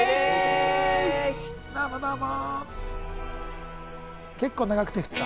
どうもどうも！